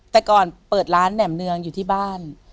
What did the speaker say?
แต่ก่อนเปิดร้านแหน่มเนืองอยู่ที่บ้าน